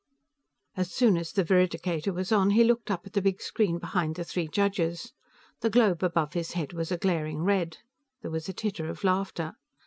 As soon as the veridicator was on, he looked up at the big screen behind the three judges; the globe above his head was a glaring red. There was a titter of laughter.